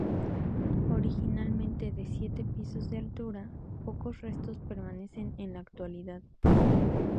Originalmente de siete pisos de altura, pocos restos permanecen en la actualidad.